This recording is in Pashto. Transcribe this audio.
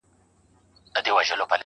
د مرگي راتلو ته، بې حده زیار باسه.